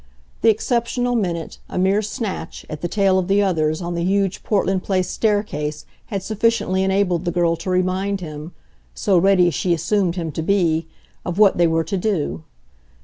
The exceptional minute, a mere snatch, at the tail of the others, on the huge Portland Place staircase had sufficiently enabled the girl to remind him so ready she assumed him to be of what they were to do.